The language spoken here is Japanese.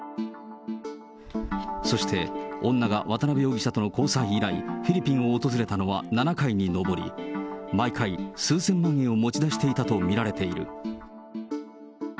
そして、女が渡辺容疑者との交際以来、フィリピンを訪れたのは７回に上り、毎回、数千万円を持ち出していたと見られている。